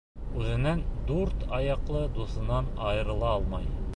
Үҙенең дүрт аяҡлы дуҫынан айырыла алмай.